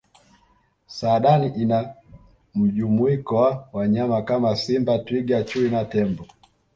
saadani ina mjumuiko wa wanyama Kama simba twiga chui na tembo